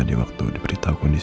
kalau diletekin aja ngambek